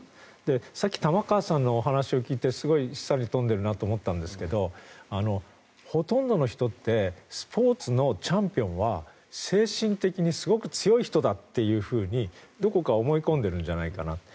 さっき玉川さんの話を聞いて示唆に富んでいるなと思ったんですがほとんどの人ってスポーツのチャンピオンは精神的にすごく強い人だというふうにどこか思い込んでいるんじゃないかな。